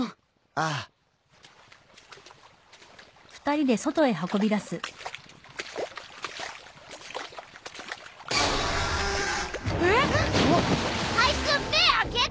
あいつ目開けた！